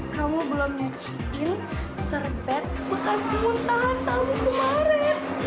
kamu belum nyuciin serbet bekas muntahan tamu kemarin